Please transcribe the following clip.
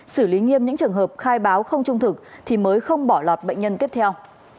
xử lý nghiêm những trường hợp khai báo không trung thực thì mới không bỏ lọt bệnh nhân tiếp theo